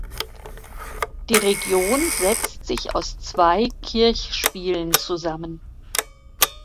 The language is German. Die Region setzt sich aus zwei Kirchspielen zusammen.